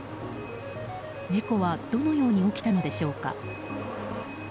事故はどのように起きたのでしょうか。